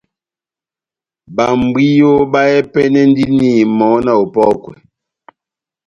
Babwiyo bahɛpɛnɛnɛndini mɔhɔ́ na opɔ́kwa